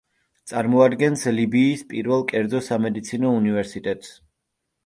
წარმოადგენს ლიბიის პირველ კერძო სამედიცინო უნივერსიტეტს.